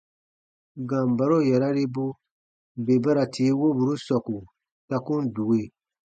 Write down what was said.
Gambaro yararibu bè ba ra tii woburu sɔku ta kun due.